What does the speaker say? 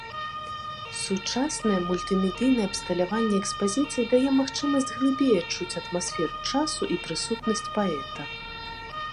Сучаснае мультымедыйнае абсталяванне экспазіцыі дае магчымасць глыбей адчуць атмасферу часу і прысутнасць паэта.